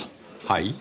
はい？